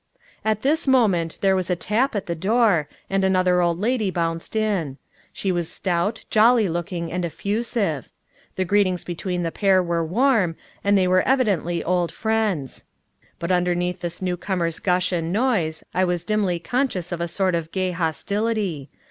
At this moment there was a tap at the door, and another old lady bounced in. She was stout, jolly looking and effusive. The greetings between the pair were warm, and they were evidently old friends. But underneath the new comer's gush and noise I was dimly conscious of a sort of gay hostility.